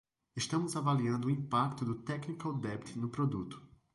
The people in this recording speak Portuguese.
Estamos avaliando o impacto do technical debt no projeto.